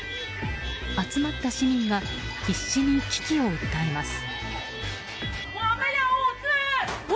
集まった市民が必死に危機を訴えます。